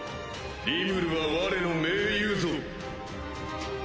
リムルはわれの盟友ぞ。